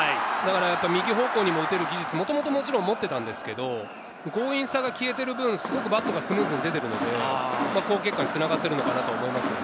右方向にも打てる技術はもともと持っていたんですけれど、強引さが消えている分、バットがスムーズに出ているので、好結果に繋がっていると思います。